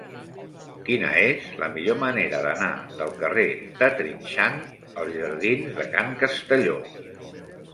Quina és la millor manera d'anar del carrer de Trinxant als jardins de Can Castelló?